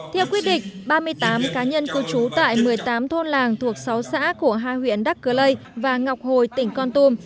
theo quyết định ba mươi tám cá nhân cư trú tại một mươi tám thôn làng thuộc sáu xã của hai huyện đắc cơ lây và ngọc hồi tỉnh con tum